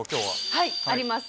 はいあります。